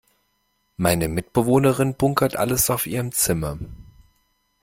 Meine Mitbewohnerin bunkert alles auf ihrem Zimmer.